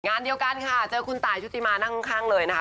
งานเดียวกันค่ะเจอคุณตายชุติมานั่งข้างเลยนะคะ